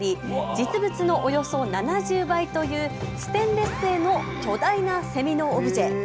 実物のおよそ７０倍というステンレス製の巨大なセミのオブジェ。